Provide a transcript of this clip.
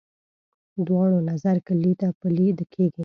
دواړو نظر کلي ته پلی کېږي.